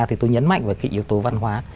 thì tôi nhấn mạnh về cái yếu tố văn hóa